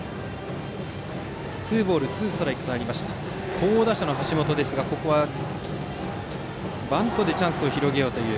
好打者の橋本ですがここはバントでチャンスを広げようという。